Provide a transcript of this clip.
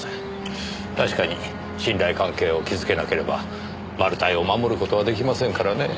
確かに信頼関係を築けなければマル対を守る事はできませんからね。